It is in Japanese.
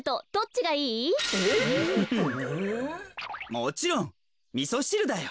もちろんみそしるだよ。